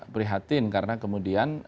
prihatin karena kemudian